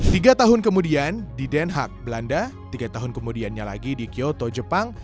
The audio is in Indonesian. tiga tahun kemudian di den haag belanda tiga tahun kemudiannya lagi di kyoto jepang